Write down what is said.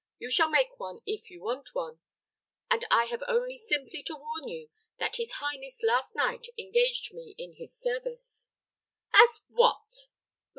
You shall make one, if you want one; and I have only simply to warn you that his highness last night engaged me in his service." "As what?